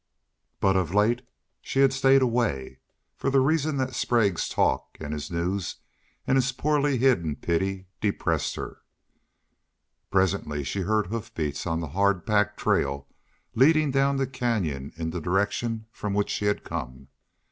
But of late she had stayed away, for the reason that Sprague's talk and his news and his poorly hidden pity depressed her. Presently she heard hoof beats on the hard, packed trail leading down the canyon in the direction from which she had come.